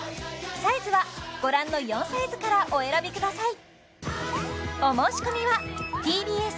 サイズはご覧の４サイズからお選びください